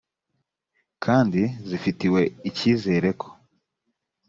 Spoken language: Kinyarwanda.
kandi zifitiwe icyizere ko